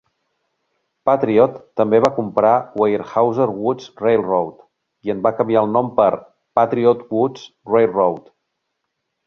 Patriot també va comprar Weyerhauser Woods Railroad, i en va canviar el nom per Patriot Woods Railroad.